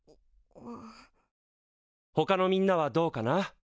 ほかのみんなはどうかな？